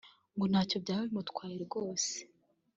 ngo ntacyo byaba bimutwaye rwose